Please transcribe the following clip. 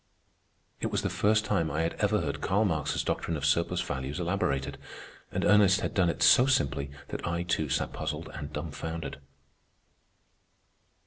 It was the first time I had ever heard Karl Marx's doctrine of surplus value elaborated, and Ernest had done it so simply that I, too, sat puzzled and dumbfounded.